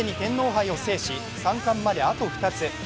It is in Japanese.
既に天皇杯を制し３冠まであと２つ。